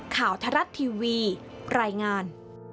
ข่าวทรัศน์ทีวีรายงาน